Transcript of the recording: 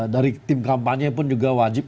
dari tim kampanye pun juga wajib